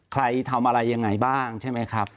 ใครทำอะไรยังไงบ้างใช่ไหมครับ